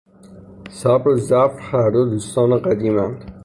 صبر و ظفر هر دو دوستان قدیماند...